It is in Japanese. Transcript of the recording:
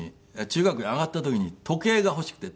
中学に上がった時に時計が欲しくて。